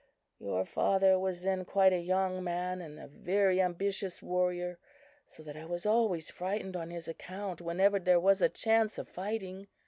Your father was then quite a young man, and a very ambitious warrior, so that I was always frightened on his account whenever there was a chance of fighting.